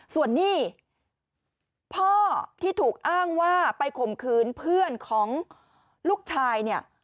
ส่วนหนี้พ่อที่ถูกอ้างว่าไปข่มขืนเพื่อนของลูกชายเนี่ย